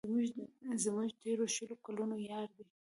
زموږ د تېرو شلو کلونو یار دی.